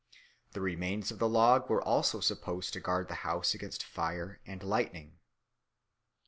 The remains of the log were also supposed to guard the house against fire and lightning.